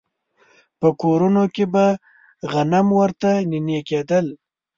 په کورونو کې به غنم ورته نينې کېدل.